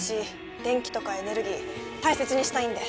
電気とかエネルギー大切にしたいんで。